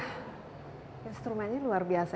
instrumennya luar biasa